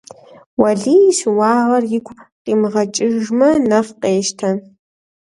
Уэлий и щыуагъэр игу къимыгъэкӀыжмэ нэхъ къещтэ.